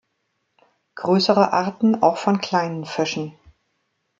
Größere Arten auch von kleinen Fischen.